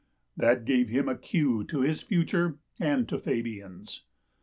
That gave him a cue to his future and to Fabian's.